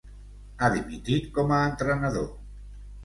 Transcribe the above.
Ha dimitit com a entrenador.